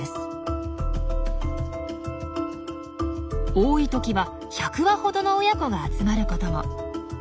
多い時は１００羽ほどの親子が集まることも。